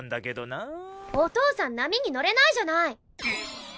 お父さん波に乗れないじゃない！